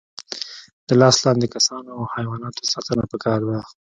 د لاس لاندې کسانو او حیواناتو ساتنه پکار ده.